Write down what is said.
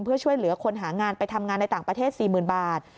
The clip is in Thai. เพื่อช่วยเหลือคนหางานไปทำงานในต่างประเทศ๔๐๐๐บาท